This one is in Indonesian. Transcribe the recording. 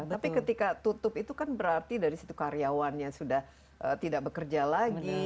tapi ketika tutup itu kan berarti dari situ karyawannya sudah tidak bekerja lagi